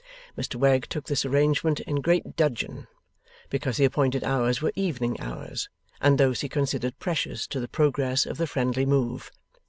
Mr Wegg took this arrangement in great dudgeon, because the appointed hours were evening hours, and those he considered precious to the progress of the friendly move.